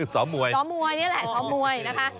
ซ้อมบ่อยซ้อมบ่อยนี่แหละซ้อมบ่อยนะคะ